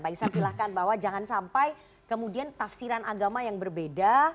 pak iksan silahkan bahwa jangan sampai kemudian tafsiran agama yang berbeda